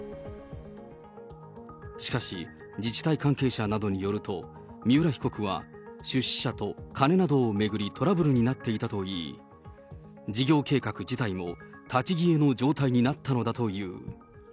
しかし、自治体関係者などによると、三浦被告は、出資者と金などを巡り、トラブルになっていたといい、事業計画自体も立ち消えの状態になったのだという。